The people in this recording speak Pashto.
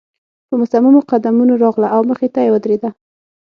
په مصممو قدمونو راغله او مخې ته يې ودرېده.